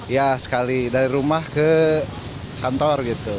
ya sekali dari rumah ke kantor gitu